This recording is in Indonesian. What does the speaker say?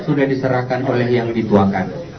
sudah diserahkan oleh yang dituakan